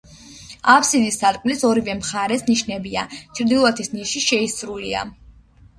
აფსიდის სარკმლის ორივე მხარეს ნიშებია; ჩრდილოეთის ნიში შეისრულია.